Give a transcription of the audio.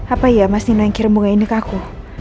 apa iya mas nino yang kirim bunga ini ke aku